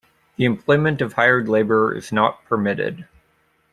The employment of hired labour is not permitted.